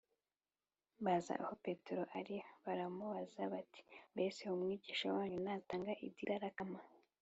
baza aho Petero ari baramubaza bati “Mbese umwigisha wanyu ntatanga ididarakama